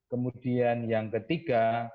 kemudian yang ketiga